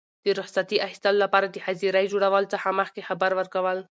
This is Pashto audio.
د رخصتي اخیستلو لپاره د حاضرۍ جوړولو څخه مخکي خبر ورکول.